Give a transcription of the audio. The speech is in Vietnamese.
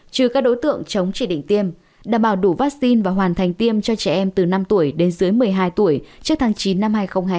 trừ các đối tượng chống chỉ định tiêm đảm bảo đủ vaccine và hoàn thành tiêm cho trẻ em từ năm tuổi đến dưới một mươi hai tuổi trước tháng chín năm hai nghìn hai mươi hai